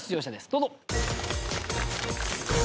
どうぞ。